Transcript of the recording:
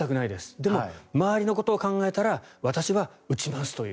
でも、周りのことを考えたら私は打ちますという。